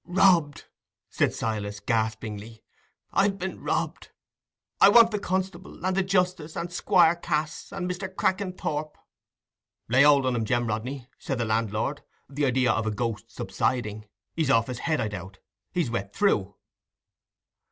"Robbed!" said Silas, gaspingly. "I've been robbed! I want the constable—and the Justice—and Squire Cass—and Mr. Crackenthorp." "Lay hold on him, Jem Rodney," said the landlord, the idea of a ghost subsiding; "he's off his head, I doubt. He's wet through."